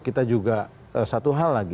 kita juga satu hal lagi